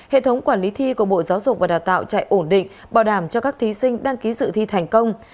hệ thống quản lý thi của bộ giáo dục và đào tạo chạy ổn định bảo đảm cho các thí sinh đăng ký sự thi thành công